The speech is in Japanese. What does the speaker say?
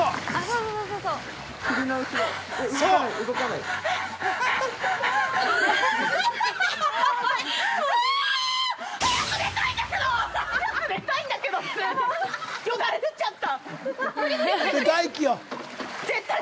◆よだれ出ちゃった！